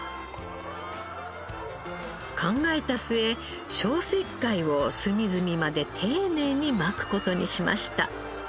考えた末消石灰を隅々まで丁寧に撒く事にしました。